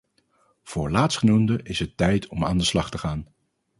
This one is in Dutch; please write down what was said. Voor laatstgenoemde is het tijd om aan de slag te gaan.